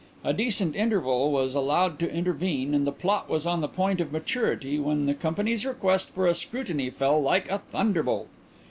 A decent interval was allowed to intervene and the plot was on the point of maturity when the company's request for a scrutiny fell like a thunderbolt.